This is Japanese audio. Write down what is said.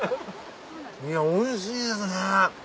おいしいですね。